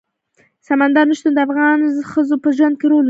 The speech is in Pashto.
سمندر نه شتون د افغان ښځو په ژوند کې رول لري.